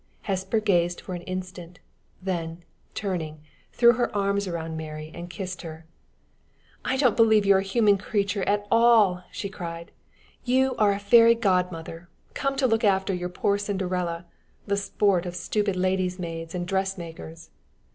Hesper gazed for an instant, then, turning, threw her arms about Mary, and kissed her. "I don't believe you're a human creature at all!" she cried. "You are a fairy godmother, come to look after your poor Cinderella, the sport of stupid lady's maids and dressmakers!"